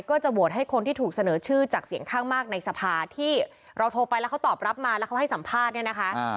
ก็จะโหวตให้คนที่ถูกเสนอชื่อจากเสียงข้างมากในสภาที่เราโทรไปแล้วเขาตอบรับมาแล้วเขาให้สัมภาษณ์เนี่ยนะคะ